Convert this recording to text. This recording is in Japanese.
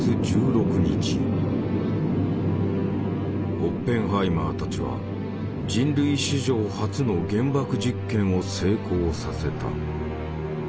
オッペンハイマーたちは人類史上初の原爆実験を成功させた。